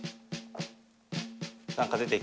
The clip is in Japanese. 何か出てきた。